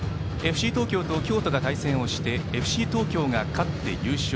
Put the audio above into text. ＦＣ東京と京都が対戦してＦＣ東京が勝って優勝。